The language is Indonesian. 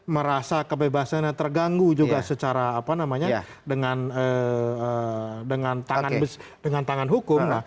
merasa kebebasannya terganggu juga secara dengan tangan hukum